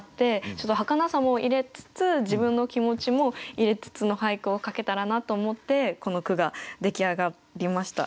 ちょっとはかなさも入れつつ自分の気持ちも入れつつの俳句を書けたらなと思ってこの句が出来上がりました。